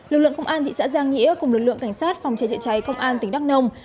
lực lượng công an thị xã giang nghĩa cùng lực lượng cảnh sát phòng cháy chữa cháy công an tỉnh đắk nông